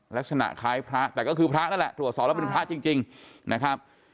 ลักษณะคล้ายพระแต่ก็คือพระนั่นแหละตรวจสอบแล้วเป็นพระจริงนะครับ